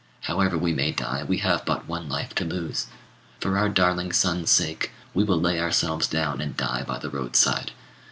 However we may die, we have but one life to lose. For our darling son's sake, we will lay ourselves down and die by the roadside.